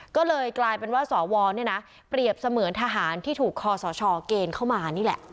ก็เลยกลายเป็นว่าสวเนี่ยนะเปรียบเสมือนทหารที่ถูกคอสชเกณฑ์เข้ามานี่แหละ